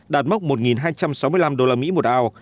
đạt mốc một hai trăm sáu mươi năm usd một ounce